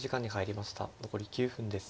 残り９分です。